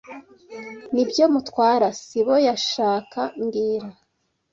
Nibyo Mutwara sibo yashaka mbwira